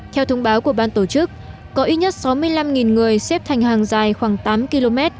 theo thông báo của ban tổ chức có ít nhất sáu mươi năm người xếp thành hàng dài khoảng tám km